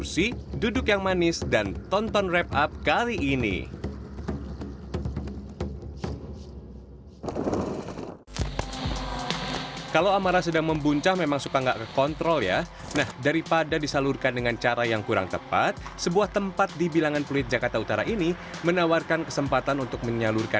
sampai jumpa di video selanjutnya